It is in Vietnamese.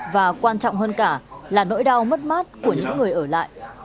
và quan trọng hơn cả là nỗi đau mất mát của những người ở lại